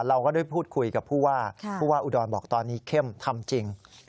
เราก็ได้พูดคุยกับผู้ว่าผู้ว่าอุดรบอกตอนนี้เข้มทำจริง